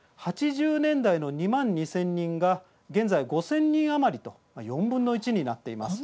８０年代の２万２０００人が現在は５０００人余りと４分の１になっています。